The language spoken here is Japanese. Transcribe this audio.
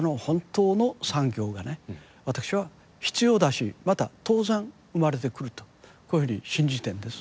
私は必要だしまた当然生まれてくるとこういうふうに信じているんです。